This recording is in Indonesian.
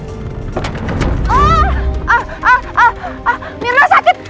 ah ah ah ah mirna sakit